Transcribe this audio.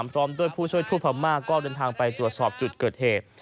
พร้อมด้วยผู้ช่วยทูตพม่าก็เดินทางไปตรวจสอบจุดเกิดเหตุ